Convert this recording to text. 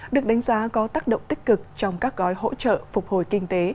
được đánh giá có tác động tích cực trong các gói hỗ trợ phục hồi kinh tế